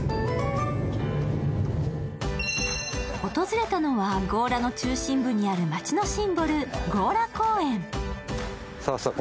訪れたのは強羅の中心部にある街のシンボル、強羅公園。